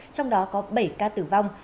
trong đó có bảy ca tử vong